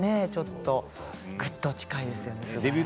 ぐっと近いですよね。